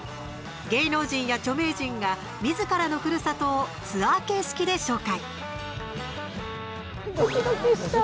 芸能人や著名人が、みずからのふるさとをツアー形式で紹介。